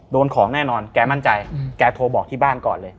โดนของแน่นอนแกมั่นใจแกโทรบอกที่บ้านก่อนเลย